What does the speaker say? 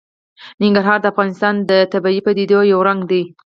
ننګرهار د افغانستان د طبیعي پدیدو یو رنګ دی.